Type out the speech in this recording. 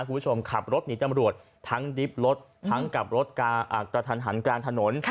คุณผู้ชมขับรถหนีตำรวจทั้งดริฟต์รถทั้งกับรถการอักษรฐานหันกลางถนน